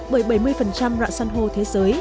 bởi bảy mươi rạng sanho thế giới